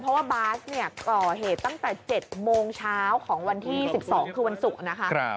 เพราะว่าบาสเนี่ยก่อเหตุตั้งแต่๗โมงเช้าของวันที่๑๒คือวันศุกร์นะคะ